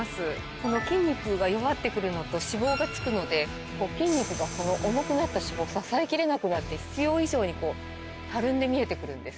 この筋肉が弱って来るのと脂肪がつくので筋肉が重くなった脂肪を支えきれなくなって必要以上にたるんで見えて来るんです。